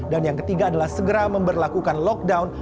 dan yang ketiga adalah segera memperlakukan lockdown